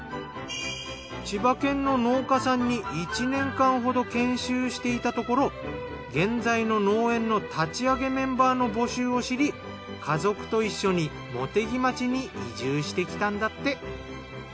千葉県の農家さんに１年間ほど研修していたところ現在の農園の立ち上げメンバーの募集を知り家族と一緒に茂木町に移住してきたんだって。